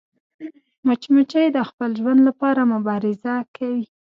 مچمچۍ د خپل ژوند لپاره مبارزه کوي